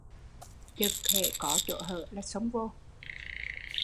Chực hễ có chỗ hở là xông vô